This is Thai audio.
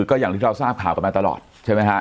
ก็อย่างที่เราทราบข่าวกันมาตลอดใช่ไหมฮะ